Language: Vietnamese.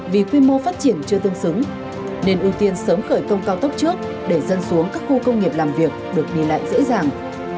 vì quy mô phát triển chưa tương xứng nên ưu tiên sớm khởi công cao tốc trước để dân xuống các khu công nghiệp làm việc được đi lại dễ dàng